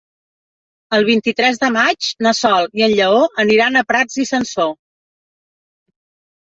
El vint-i-tres de maig na Sol i en Lleó aniran a Prats i Sansor.